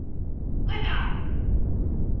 快跑！